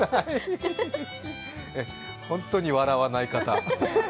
本当に笑わない方。